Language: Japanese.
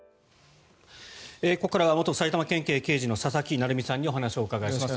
ここからは元埼玉県警刑事の佐々木成三さんにお話をお伺いします。